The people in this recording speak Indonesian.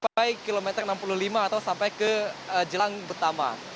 baik kilometer enam puluh lima atau sampai ke jelang betama